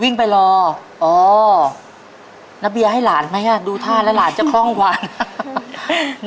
วิ่งไปรออ๋อน้าเบียให้หลานไหมอ่ะดูท่าแล้วหลานจะคล่องวาง